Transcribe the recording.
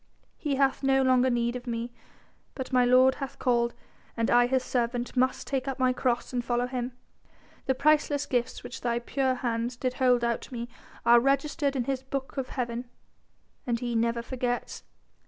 He hath no longer need of me but my Lord hath called and I His servant must take up my cross and follow Him. The priceless gifts which thy pure hands did hold out to me are registered in His book of Heaven, and He never forgets.